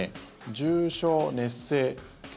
重症熱性血